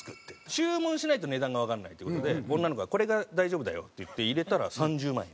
注文しないと値段がわからないっていう事で女の子が「これが大丈夫だよ」って言って入れたら３０万円。